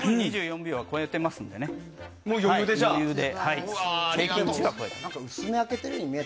２４秒は超えていますので余裕でね。